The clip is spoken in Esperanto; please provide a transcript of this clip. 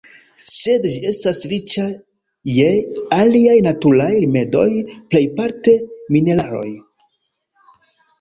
Sed ĝi estas riĉa je aliaj naturaj rimedoj, plejparte mineraloj.